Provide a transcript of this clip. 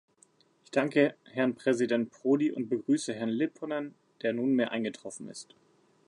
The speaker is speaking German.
Ich danke Herrn Präsident Prodi und begrüße Herrn Lipponen, der nunmehr eingetroffen ist.